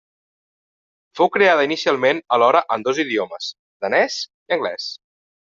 Fou creada inicialment alhora en dos idiomes: danès i anglès.